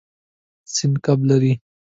سیند کب لري.